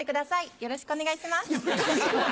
よろしくお願いします。